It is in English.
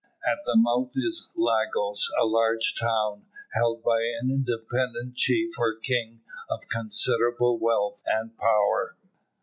At the mouth is Lagos, a large town, held by an independent chief or king of considerable wealth and power.